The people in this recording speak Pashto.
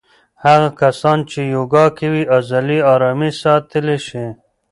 هغه کسان چې یوګا کوي عضلې آرامې ساتلی شي.